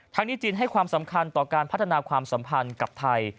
นี้จีนให้ความสำคัญต่อการพัฒนาความสัมพันธ์กับไทย